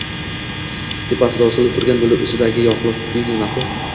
tepada osilib turgan bulut ichidagi yungli maxluq